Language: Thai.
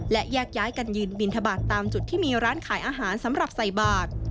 และแยกย้ายกันยืนบินทบาทตามจุดที่มีร้านขายอาหารสำหรับใส่บาท